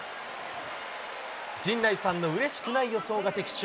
陣内さんのうれしくない予想が的中。